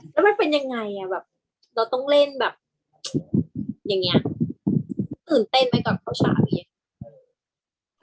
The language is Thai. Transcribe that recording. แล้วมันเป็นยังไงเราต้องเล่นแบบอย่างนี้ตื่นเต้นไหมก่อนเข้าฉาก